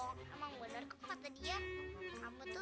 kau ingin menjadi pembantu